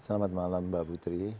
selamat malam mbak putri